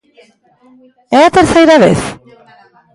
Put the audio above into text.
¿É a terceira vez?